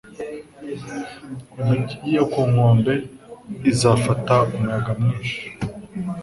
Imijyi yo ku nkombe izafata umuyaga mwinshi.